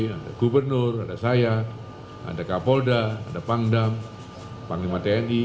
ada gubernur ada saya ada kapolda ada pangdam panglima tni